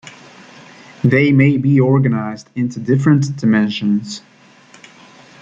They may be organised into different dimensions.